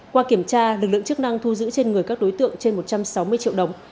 qua kiểm tra lực lượng chức năng thu giữ trên người các đối tượng trên một trăm sáu mươi triệu đồng